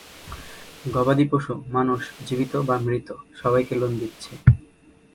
গবাদি পশু, মানুষ, জীবিত বা মৃত, সবাইকে লোন দিচ্ছে।